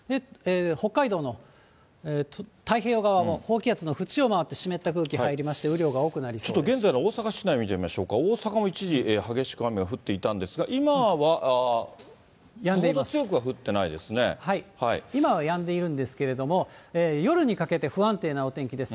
北海道の太平洋側も高気圧の縁を回って、湿った空気入りまして、ちょっと現在の大阪市内見てみましょうか、大阪も一時、激しく雨が降っていたんですが、今は、今はやんでいるんですけれども、夜にかけて不安定なお天気です。